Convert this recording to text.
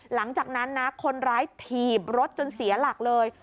หลังจากนั้นนะคนร้ายถีบรถจนเสียหลักเลย